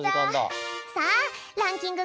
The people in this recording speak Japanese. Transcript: さあランキング